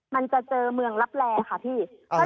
มันจะเจอเมืองลับแลค่ะพี่